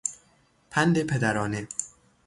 پند پدرانه